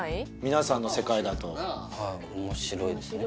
皆さんの世界だと「面白い」ですね